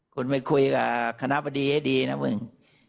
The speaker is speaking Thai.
คุณไปคุยกับคณะบดีให้ดีนะมึง